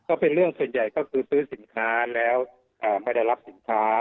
ก็เป็นเรื่องส่วนใหญ่ก็คือซื้อสินค้าแล้วไม่ได้รับสินค้า